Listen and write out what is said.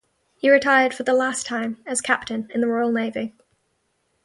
He retired for the last time as captain in the Royal Navy.